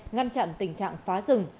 ngăn chặn tình trạng phá rừng